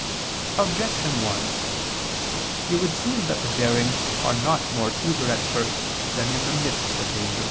Objection 1: It would seem that the daring are not more eager at first than in the midst of danger.